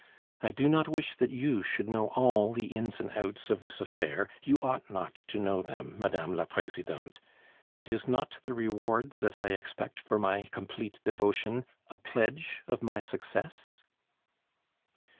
I do not wish that you should know all the ins and outs of this affair; you ought not to know them, Mme. la Presidente, but is not the reward that I expect for my complete devotion a pledge of my success?"